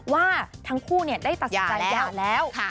ว่าทั้งคู่ได้ตัดสินใจหย่าแล้ว